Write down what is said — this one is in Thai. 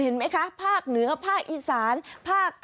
สวัสดีค่ะรุ่นก่อนเวลาเหนียวกับดาวสุภาษฎรามมาแล้วค่ะ